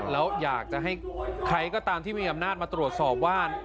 แล้วอยากจะให้ใครก็ตามที่มีอำนาจมาตรวจสอบว่า